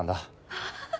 アハハハ